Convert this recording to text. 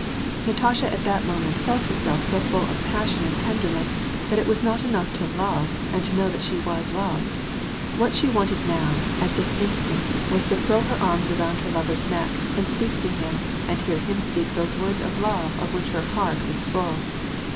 Natasha at that moment felt herself so full of passion and tenderness that it was not enough to love, and to know that she was loved. What she wanted now, at this instant, was to throw her arms around her lover's neck, and speak to him, and hear him speak those words of love of which her heart was full.